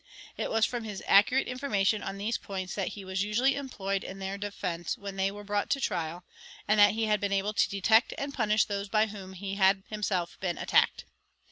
It was from his accurate information on these points that he was usually employed in their defence when they were brought to trial, and that he had been able to detect and punish those by whom he had himself been attacked.